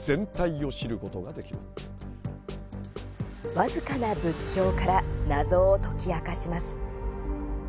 僅かな物証から謎を解き明かします。